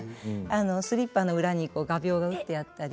スリッパの裏に画びょうが打ってあったり。